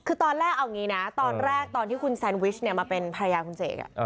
คือตอนแรกเอางี้นะตอนแรกตอนที่คุณแซนวิชมาเป็นภรรยาคุณเสก